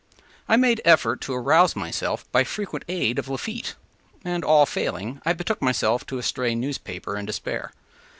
I made effort to arouse myself by aid of frequent Lafitte, and, all failing, I betook myself to a stray newspaper in despair.